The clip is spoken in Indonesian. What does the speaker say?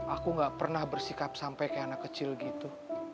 aku gak pernah bersikap sampe kaya anak kecil gitu